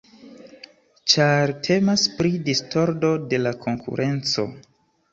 Ĉar temas pri distordo de la konkurenco.